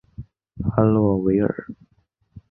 阿洛维尔。